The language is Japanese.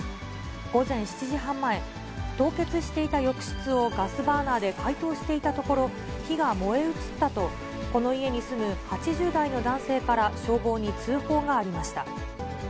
午前７時半前、凍結していた浴室をガスバーナーで解凍していたところ、火が燃え移ったと、この家に住む８０代の男性から消防に通報がありました。